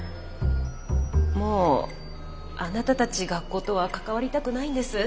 もうあなたたち学校とは関わりたくないんです。